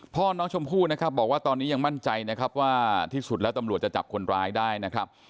พ่อน้องชมพู่นะครับบอกว่าตอนนี้ยังมั่นใจนะครับว่าที่สุดแล้วตำรวจจะจับคนร้ายได้นะครับ